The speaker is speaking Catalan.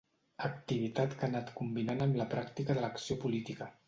Activitat que ha anat combinant amb la pràctica de l'acció política.